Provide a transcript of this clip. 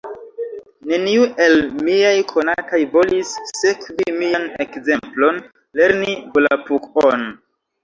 Neniu el miaj konatoj volis sekvi mian ekzemplon, lerni Volapuk-on.